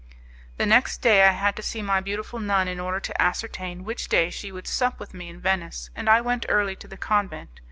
The next day I had to see my beautiful nun in order to ascertain which day she would sup with me in Venice, and I went early to the convent.